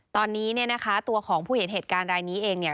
ตอนนี้ตัวของผู้เห็นเหตุการณ์รายนี้เอง